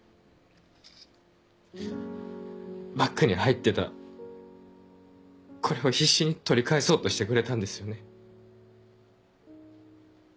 バッグに入ってたこれを必死に取り返そうとしてくれたんですよね？